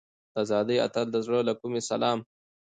د ازادۍ اتل ته د زړه له کومې سلام.